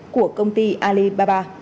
của công ty alibaba